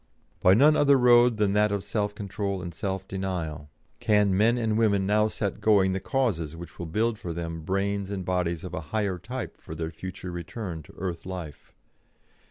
By none other road than that of self control and self denial can men and women now set going the causes which will build for them brains and bodies of a higher type for their future return to earth life.